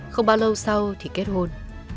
không bao lâu sau thì kết hôn